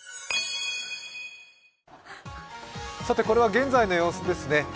これは現在の様子ですね。